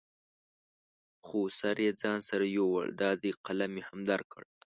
خو سر یې ځان سره یوړ، دا دی قلم مې هم درکړ.